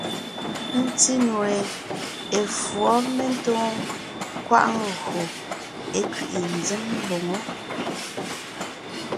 Ńtí nue, efǔɔ mentóon kwaʼ ńgÿo é kẅiʼi ńzém mboŋó.